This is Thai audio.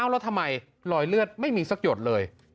แล้วทำไมรอยเลือดไม่มีสักหยดเลย